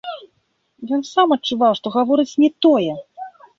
Ён сам адчуваў, што гаворыць не тое.